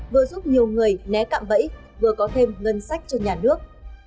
vừa giúp nhiều người né cạm bẫy vừa có thêm ngân sách cho nhà nước